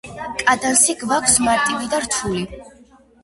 კადანსი გვაქვს მარტივი და რთული.